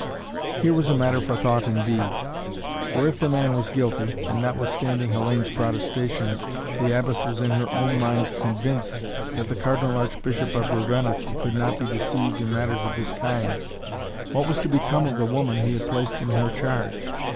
Here was matter for thought indeed. For, if the man was guilty and, notwithstanding Hellayne's protestations, the Abbess was in her own mind convinced that the Cardinal Archbishop of Ravenna could not be deceived in matters of this kind, what was to become of the woman he had placed in her charge?